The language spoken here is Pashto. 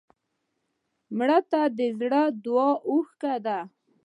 مړه ته د زړه دعا اوښکې دي